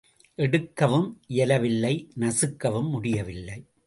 எடுக்கவும் இயல வில்லை நசுக்கவும் முடியவில்லை.